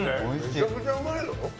めちゃめちゃうまいぞ。